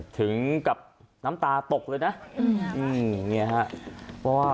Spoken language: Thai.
ถึงกับน้ำตาตกเลยนะ